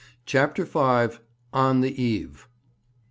CHAPTER V. ON THE EVE.